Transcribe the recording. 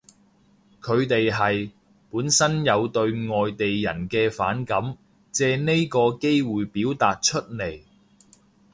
佢哋係，本身有對外地人嘅反感，借呢個機會表達出嚟